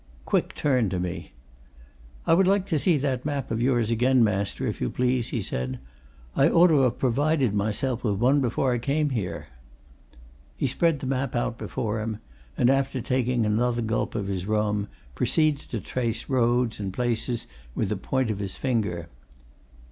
Quick turned to me. "I would like to see that map of yours again, master, if you please," he said. "I ought to ha' provided myself with one before I came here." He spread the map out before him, and after taking another gulp of his rum, proceeded to trace roads and places with the point of his finger.